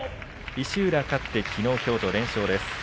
石浦勝って、きのう、きょうと連勝です。